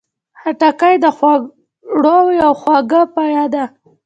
خټکی د خوړو یوه خواږه پایه ده.